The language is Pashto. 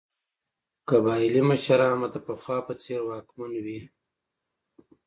قبایلي مشران به د پخوا په څېر واکمن وي.